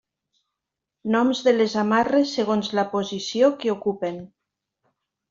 Noms de les amarres segons la posició que ocupen.